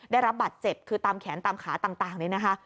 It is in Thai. ได้รับบัตรเจ็บคือตามแขนตามขาต่างนี่นะคะ